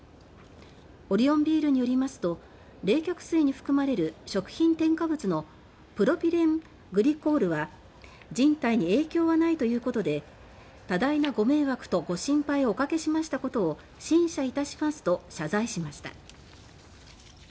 オリオンビールによりますと冷却水に含まれる食品添加物のプロピレングリコールは人体に影響はないということで「多大なご迷惑とご心配をおかけしましたことを深謝いたします」と謝罪しました。